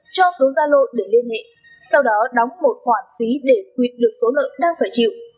cho số gia lộ để liên hệ sau đó đóng một khoản phí để quyệt được số lợn đang phải chịu